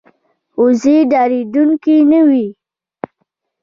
وزې ډارېدونکې نه وي